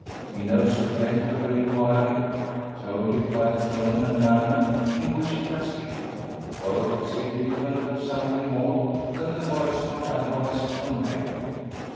He knows the bent of her inquiry, told it by the tone and manner in which it has been put both significant of something more than the words might otherwise convey.